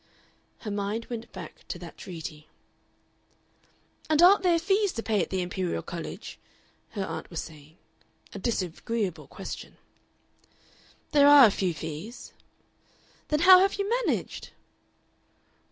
Her mind went back to that treaty. "And aren't there fees to pay at the Imperial College?" her aunt was saying a disagreeable question. "There are a few fees." "Then how have you managed?"